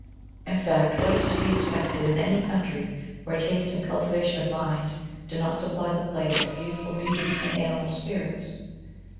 In fact, what is to be expected in any country where taste and cultivation of mind do not supply the place of youthful beauty and animal spirits?